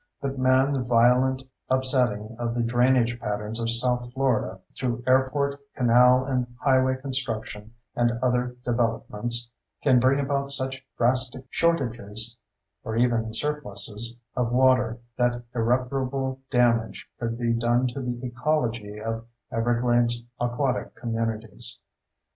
But man's violent upsetting of the drainage patterns of south Florida, through airport, canal, and highway construction and other developments, can bring about such drastic shortages (or even surpluses) of water that irreparable damage could be done to the ecology of Everglades aquatic communities.